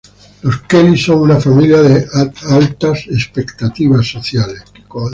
Los Kelly son una familia de altas expectativas sociales.